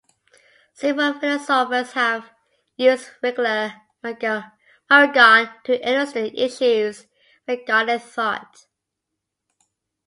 Several philosophers have used the regular myriagon to illustrate issues regarding thought.